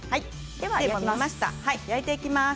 焼いていきます。